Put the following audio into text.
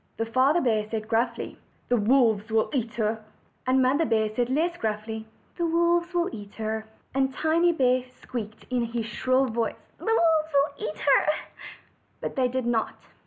And the Father bear said gruffly: 220 OLD, OLD FAIRY TALES, "The wolves will eat her." And the Mother bear said less grnffly: 'The wolves will eat her." And Tiny bear squeaked in his shrill voice: "The wolves will eat her." But they did not.